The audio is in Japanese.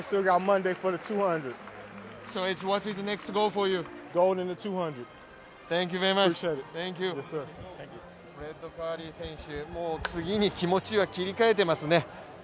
フレッド・カーリー選手、次に気持ちは切り替えていますね。